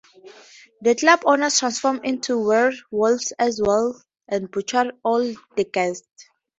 The club owners transform into werewolves, as well, and butcher all the guests.